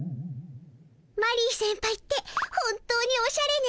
マリー先輩って本当におしゃれね。